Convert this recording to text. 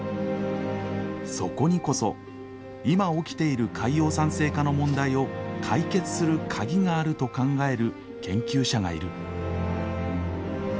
そこにこそ今起きている海洋酸性化の問題を解決するカギがあると考える研究者がいる。